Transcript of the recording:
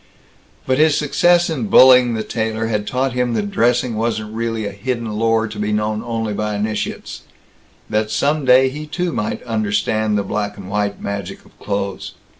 But his success in bullying the tailor had taught him that dressing wasn't really a hidden lore to be known only by initiates; that some day he too might understand the black and white magic of clothes.